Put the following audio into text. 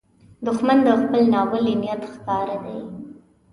دښمن د خپل ناولي نیت ښکار دی